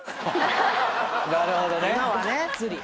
なるほどね。